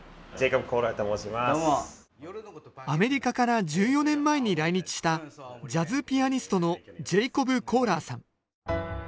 アメリカから１４年前に来日したジャズピアニストのジェイコブ・コーラーさん。